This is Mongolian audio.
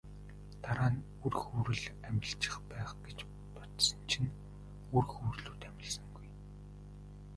Дараа нь үр хөврөл амилчих байх гэж бодсон чинь үр хөврөлүүд амилсангүй.